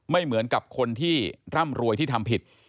ไม่เหมือนกับคนที่ร่ำรวยที่ทำผิด